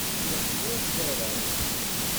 Lliɣ ttwabdareɣ-d.